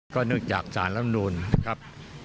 ก็เนื่องจากสารรัฐธรรมนูญนะครับ